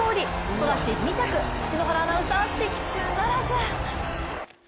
ソダシ２着篠原アナウンサー、的中ならず。